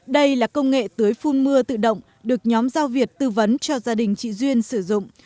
đây là công nghệ tưới phun mưa tự động được nhóm giao việt tư vấn cho gia đình chị duyên sử dụng